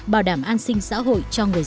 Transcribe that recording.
bảo đảm an sinh xã hội cho người dân